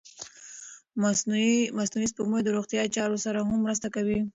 مصنوعي سپوږمکۍ د روغتیا چارو سره هم مرسته کوي.